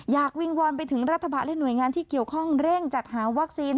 วิงวอนไปถึงรัฐบาลและหน่วยงานที่เกี่ยวข้องเร่งจัดหาวัคซีน